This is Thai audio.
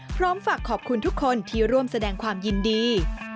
พร้อมฝากขอบคุณทุกคนที่ร่วมแสดงความยินดี